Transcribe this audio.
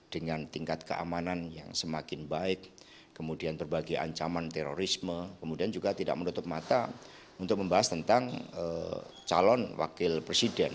dengan tingkat keamanan yang semakin baik kemudian berbagai ancaman terorisme kemudian juga tidak menutup mata untuk membahas tentang calon wakil presiden